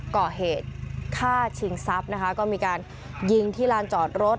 ก่อเหตุฆ่าชิงทรัพย์นะคะก็มีการยิงที่ลานจอดรถ